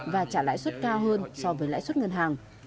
và trả lãi suất cao hơn so với lãi suất ngân hàng